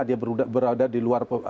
dia berada di luar